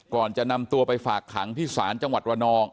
ก่อนจะนำตัวไปฝากขังที่ศาลจังหวัดระนอง